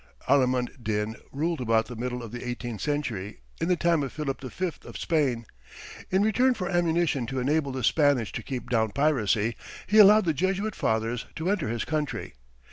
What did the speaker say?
Alimund Din ruled about the middle of the eighteenth century, in the time of Philip V of Spain. In return for ammunition to enable the Spanish to keep down piracy, he allowed the Jesuit fathers to enter his country.